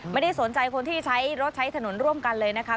ไม่ได้สนใจคนที่ใช้รถใช้ถนนร่วมกันเลยนะคะ